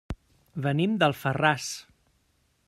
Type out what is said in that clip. Venim d'Alfarràs.